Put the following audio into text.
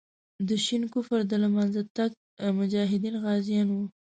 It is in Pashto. د شین کفر د له منځه تګ مجاهدین غازیان وو.